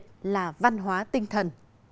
đặc biệt là văn hóa tinh thần